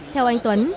theo anh tuấn